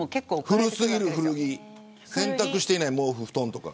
古過ぎる古着、洗濯していない毛布、布団とか。